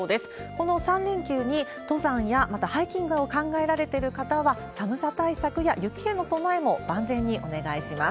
この３連休に登山や、またハイキングを考えられてる方は寒さ対策や、雪への備えも万全にお願いします。